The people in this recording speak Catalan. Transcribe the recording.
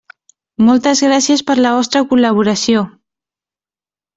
Moltes gràcies per la vostra col·laboració.